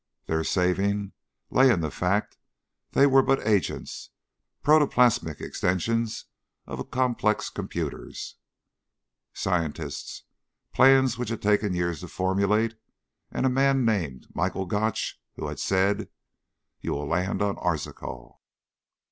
Their saving lay in the fact they were but agents, protoplasmic extensions of a complex of computers, scientists, plans which had taken years to formulate, and a man named Michael Gotch who had said: "_You will land on Arzachel.